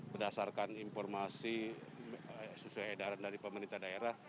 berdasarkan informasi sesuai edaran dari pemerintah daerah